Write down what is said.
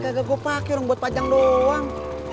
gak kegopak orang buat pajang doang